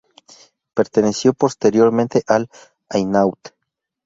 Perteneció posteriormente al Hainaut.